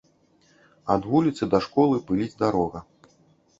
Ад вуліцы да школы пыліць дарога.